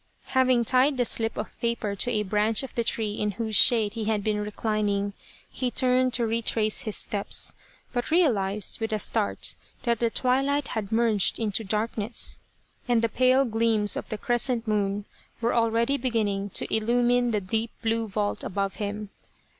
Having tied the slip of paper to a branch of the tree in whose shade he had been reclining, he turned to retrace his steps, but realized, with a start, that the twilight had merged into darkness, and the pale gleams of the crescent moon were already beginning to illu mine the deep blue vault above him.